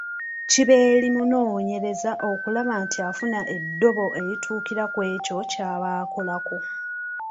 Kiba eri munoonyereza okulaba nti afuna eddobo erituukira ku ekyo ky’aba akolako.